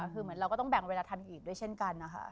คือเหมือนเราก็ต้องแบ่งเวลาทำอีกด้วยเช่นกันนะคะ